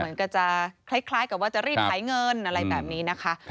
เหมือนกันคล้ายกับว่าจะรีบหายเงินอะไรแบบนี้นะคะ